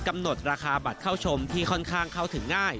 กำหนดราคาบัตรเข้าชมที่ค่อนข้างเข้าถึงง่าย